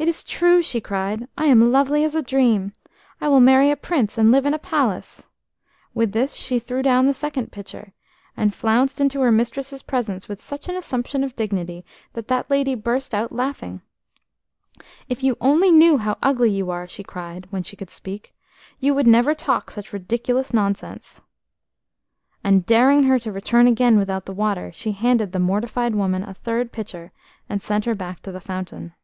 "It is true!" she cried. "I am lovely as a dream. I will marry a prince, and live in a palace." With this she threw down the second pitcher, and flounced into her mistress's presence with such an assumption of dignity that that lady burst out laughing. "If you only knew how ugly you are," she cried, when she could speak, "you would never talk such ridiculous nonsense." And daring her to return again without the water, she handed the mortified woman a third pitcher and sent her back to the fountain.